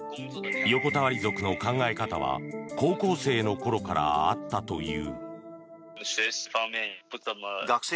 横たわり族の考え方は高校生の頃からあったという。